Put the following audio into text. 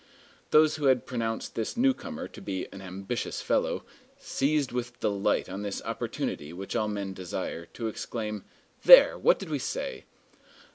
Those who had pronounced this newcomer to be "an ambitious fellow," seized with delight on this opportunity which all men desire, to exclaim, "There! what did we say!"